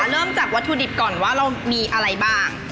เริ่มจากวัตถุดิบก่อนว่าเรามีอะไรบ้าง